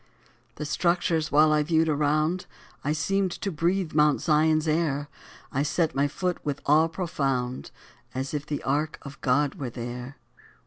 _" The structures while I viewed around, I seemed to breathe Mount's Zion's air; I set my foot with awe profound, As if the ark of God were there.